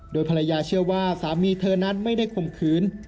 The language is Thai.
โดยภรรยาเชื่อว่าสามีเธอนั้นไม่ได้ข่มขืน